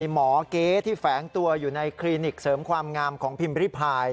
หมอเก๊ที่แฝงตัวอยู่ในคลินิกเสริมความงามของพิมพ์ริพาย